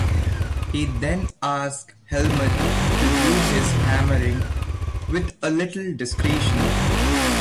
He then asks Helmut to do his hammering "with a little discretion".